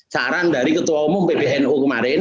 saran dari ketua umum pbnu kemarin